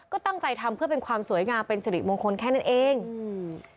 ก็ตั้งใจทำเพื่อเป็นความสวยงามเป็นสิริมงคลแค่นั้นเองอืม